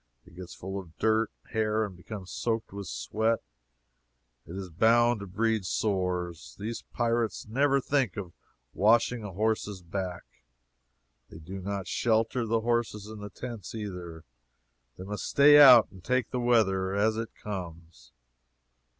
It gets full of dirt and hair, and becomes soaked with sweat. It is bound to breed sores. These pirates never think of washing a horse's back. They do not shelter the horses in the tents, either they must stay out and take the weather as it comes.